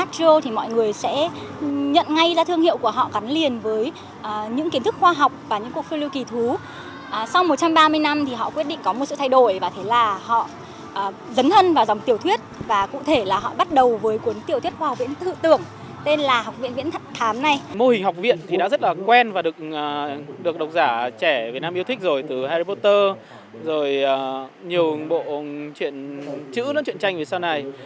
đối với đối tượng độc giả trẻ việt nam yêu thích rồi từ harry potter rồi nhiều bộ chuyện chữ chuyện tranh về sau này